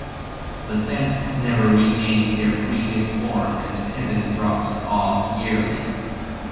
The Cents never regained their previous form and attendance dropped off yearly.